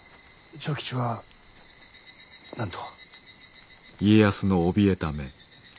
長吉は何と？